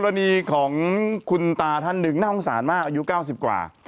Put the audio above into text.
รณีของคุณตาท่านหนึ่งน่าสงสารมากอายุ๙๐กว่า